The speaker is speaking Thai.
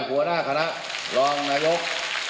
หัวหน้าคณะรองนายก